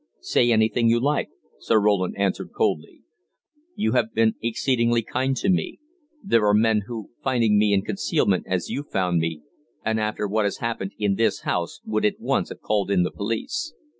"Say anything you like," Sir Roland answered coldly. "You have been exceedingly kind to me: there are men who, finding me in concealment as you found me, and after what has happened in this house, would at once have called in the police.